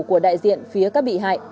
của đại diện phía các bị hại